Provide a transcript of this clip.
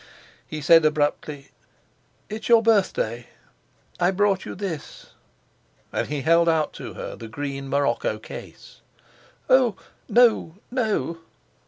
He said abruptly: "It's your birthday. I brought you this," and he held out to her the green morocco case. "Oh! No no!"